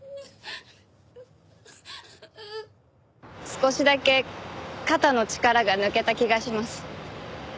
少しだけ肩の力が抜けた気がします。